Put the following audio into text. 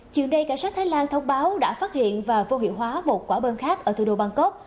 chuyện này cảnh sát thái lan thông báo đã phát hiện và vô hiệu hóa một quả bơm khác ở thủ đô bangkok